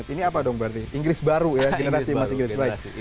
ini apa dong berarti inggris baru ya generasi emas inggris